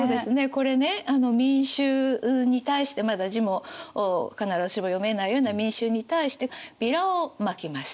これね民衆に対してまだ字も必ずしも読めないような民衆に対してビラをまきました。